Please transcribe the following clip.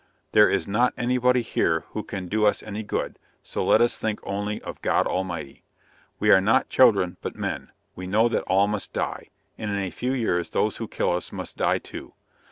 There is not any body here who can do us any good, so let us think only of God Almighty. We are not children but men, you know that all must die; and in a few years those who kill us must die too.